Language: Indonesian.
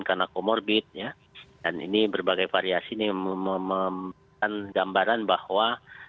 jadi kita sudah melakukan akomorbid dan ini berbagai variasi ini memiliki gambaran bahwa